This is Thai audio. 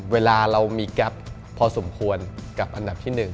เวลาเรามีแก๊ปพอสมควรกับอันดับที่๑